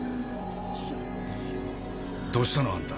どうしたのあんた？